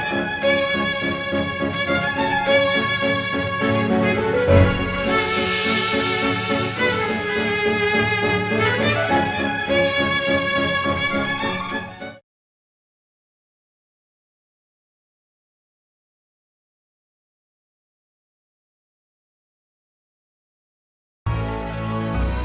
ya dia anak kedua saya